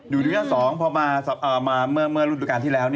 อยู่ที่หน้าสองพอมาเมื่อรุ่นโดยการที่แล้ว